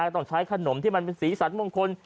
ต้องใช้ขนมที่มันเป็นสีสันมงคล